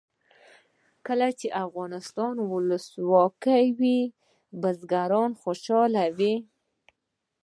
کله چې افغانستان کې ولسواکي وي بزګران خوشحاله وي.